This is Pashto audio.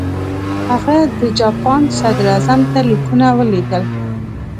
هغه د جاپان صدراعظم ته لیکونه ولېږل.